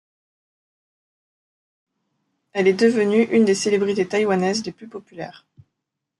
Elle est devenue une des célébrités taiwanaises les plus populaires.